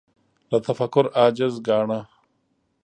له تفکر عاجز ګاڼه